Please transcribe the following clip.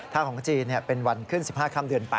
ถ้าของจีนเป็นวันขึ้น๑๕ค่ำเดือน๘